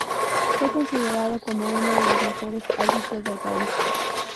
Fue considerado como uno de los mejores árbitros del país.